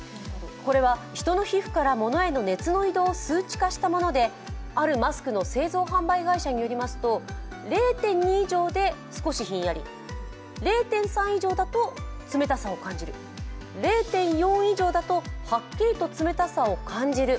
これは人の皮膚から物への熱の移動を数値化したものであるマスクの製造販売会社によりますと０．２以上で少しひんやり０．３以上だと冷たさを感じる０．４以上だと、はっきりと冷たさを感じる。